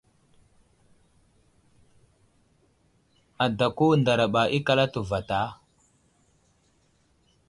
Adako ndaraɓa ikal atu vatá ?